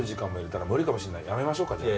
やめましょうかじゃあ。